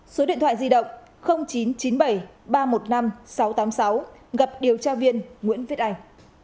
số điện thoại di động chín trăm chín mươi bảy ba trăm một mươi năm sáu trăm tám mươi sáu gặp điều tra viên nguyễn viết anh